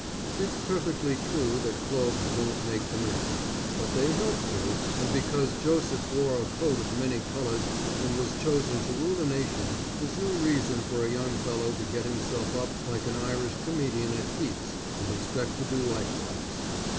It's perfectly true that clothes don't make the man, but they help to, and because Joseph wore a coat of many colors and was chosen to rule a nation, is no reason for a young fellow to get himself up like an Irish Comedian at Keith's and expect to do likewise.